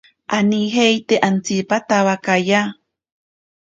Anijeite atsipatabakaya.